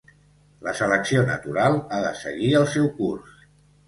La selecció natural ha de seguir el seu curs.